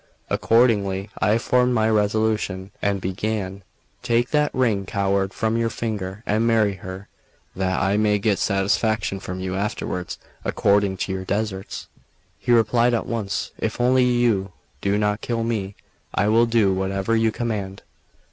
Accordingly, I formed my resolution, and began: "Take that ring, coward, from your finger, and marry her, that I may get satisfaction from you afterwards according to your deserts." He replied at once: "If only you do not kill me, I will do whatever you command."